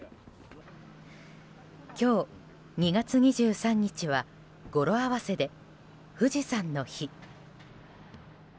今日、２月２３日は語呂合わせで富士山の日。